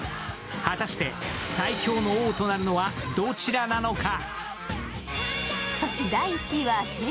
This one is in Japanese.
果たして、最強の王となるのはどちらなのか。